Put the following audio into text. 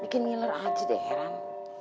bikin ngiler aja deh heran